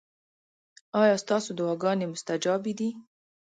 ایا ستاسو دعاګانې مستجابې دي؟